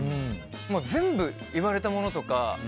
全部、言われたものとか。